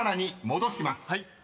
はい。